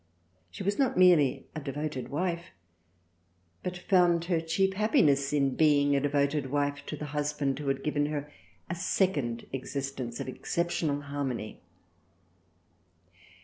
She was not merely a devoted wife, but found her chief happi ness in being a devoted wife to the husband who had given her a second existence of exceptional harmony.